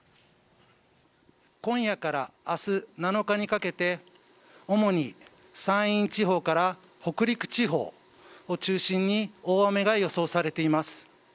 今夜からあす７日にかけて、主に山陰地方から北陸地方を中心に、大雨が予想されています。